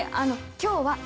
「今日は」